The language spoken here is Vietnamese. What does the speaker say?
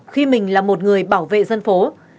khi mình là một người bảo vệ dân phố